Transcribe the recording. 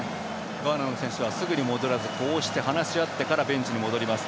ガーナの選手はすぐに戻らず、話し合ってからベンチに戻ります。